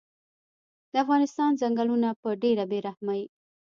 د افغانستان ځنګلونه په ډیره بیرحمۍ